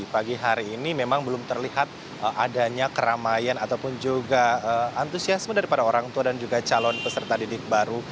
pagi hari ini memang belum terlihat adanya keramaian ataupun juga antusiasme daripada orang tua dan juga calon peserta didik baru